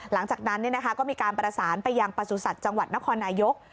หลังจากนั้นเนี่ยนะคะก็มีการประสานไปยังประสุนสรรค์จังหวัดนครนายก